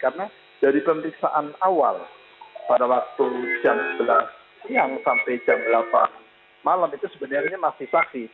karena dari pemeriksaan awal pada waktu jam sebelas siang sampai jam delapan malam itu sebenarnya masih saksi